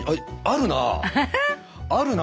あるなあ。